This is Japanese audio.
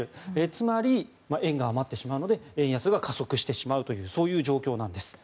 つまり、円が余ってしまうので円安が加速してしまうというそういう状況なんです。